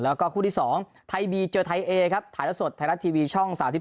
แล้วก็คู่ที่๒ไทยบีเจอไทยเอครับถ่ายแล้วสดไทยรัฐทีวีช่อง๓๒